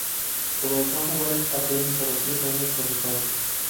Comenzó a jugar a tenis a los tres años con su padre.